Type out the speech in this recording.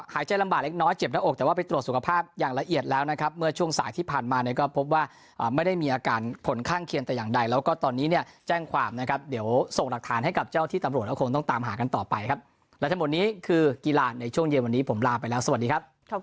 ใจลำบากเล็กน้อยเจ็บหน้าอกแต่ว่าไปตรวจสุขภาพอย่างละเอียดแล้วนะครับเมื่อช่วงสายที่ผ่านมาเนี่ยก็พบว่าไม่ได้มีอาการผลข้างเคียงแต่อย่างใดแล้วก็ตอนนี้เนี่ยแจ้งความนะครับเดี๋ยวส่งหลักฐานให้กับเจ้าที่ตำรวจก็คงต้องตามหากันต่อไปครับและทั้งหมดนี้คือกีฬาในช่วงเย็นวันนี้ผมลาไปแล้วสวัสดีครับ